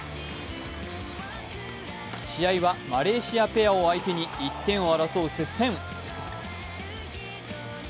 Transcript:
試合はマレーシアペアを相手に１点を争う接戦。